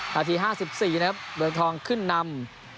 นาที๕๔นะครับเมืองทองขึ้นนำ